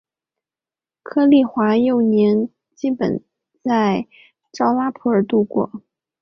柯棣华幼年基本在绍拉普尔度过。